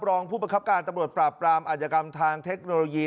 รองผู้ประคับการตำรวจปราบปรามอาธิกรรมทางเทคโนโลยี